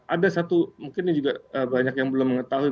ada satu mungkin juga banyak yang belum mengetahui